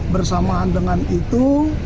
bersamaan dengan itu